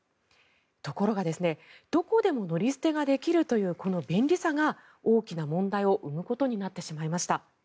ところがどこでも乗り捨てができるというこの便利さが大きな問題を生むことになってしまいました。